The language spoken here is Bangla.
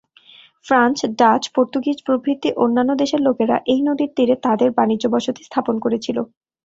ফ্রান্স, ডাচ, পর্তুগিজ প্রভৃতি অন্যান্য দেশের লোকেরা এই নদীর তীরে তাদের বাণিজ্য বসতি স্থাপন করেছিল।